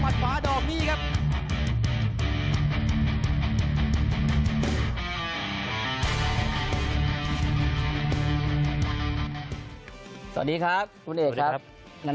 สวัสดีครับคุณเอกครับ